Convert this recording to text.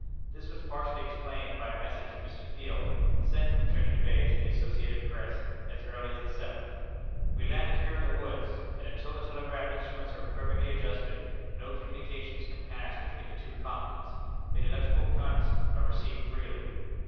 This was partially explained by a message from Mr. Field, sent from Trinity Bay to the Associated Press as early as the seventh: "We landed here in the woods, and until the telegraph instruments are perfectly adjusted, no communications can pass between the two continents; but the electric currents are received freely.